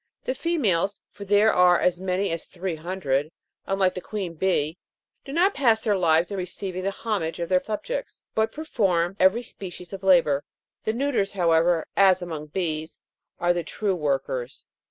The females (for there are as many as three hundred), unlike the queen bee, do not pass their lives in receiving the homage of their subjects, but perform every species of labour. The neuters, however, as among bees, are the true workers.